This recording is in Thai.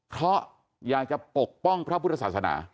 เพราะอยากจะปกป้องพระพุทธศาสนา